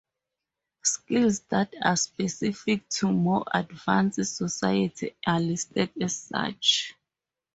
Skills that are specific to more advanced societies are listed as such.